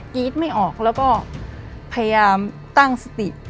รี๊ดไม่ออกแล้วก็พยายามตั้งสติ